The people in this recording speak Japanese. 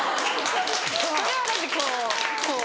それはだってこうこう。